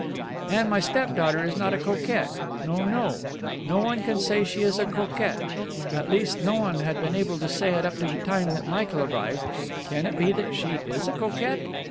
And my step daughter is not a coquette. No, no. No one can say she is a coquette. At least, no one had been able to say it up to the time that Michael arrived. Can it be that she is a coquette?